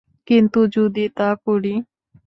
কিন্তু যদি তা করি।